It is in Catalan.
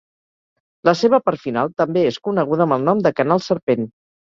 La seva part final també és coneguda amb el nom de Canal Serpent.